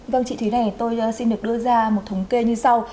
vâng chị thúy này tôi xin được đưa ra một thống kê như sau